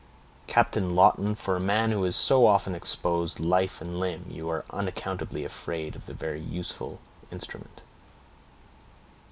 "Captain Lawton, for a man who has so often exposed life and limb, you are unaccountably afraid of a very useful instrument."